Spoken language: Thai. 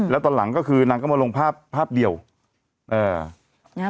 แล้วตอนหลังก็คือนางก็มาลงภาพภาพเดียว